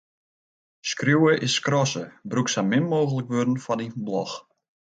Skriuwe is skrasse: brûk sa min mooglik wurden foar dyn blog.